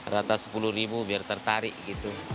rata sepuluh ribu biar tertarik gitu